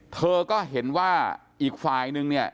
เธอก็เห็นว่าอีกฝ่ายนึงเนี่ย